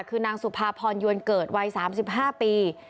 คือนางสุภาพรยวนเกิดวัย๓๕ปี